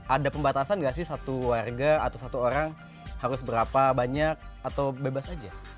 ada pembatasan nggak sih satu warga atau satu orang harus berapa banyak atau bebas aja